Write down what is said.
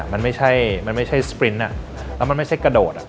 มันไม่ใช่สปรินทร์แล้วมันไม่ใช่กระโดด